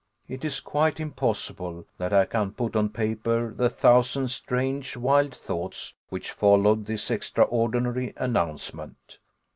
It is quite impossible that I can put on paper the thousand strange, wild thoughts which followed this extraordinary announcement.